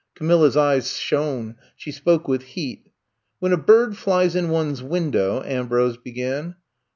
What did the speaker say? Ca milla's eyes shone. She spoke with heat. When a bird flies in one's window —" Ambrose began.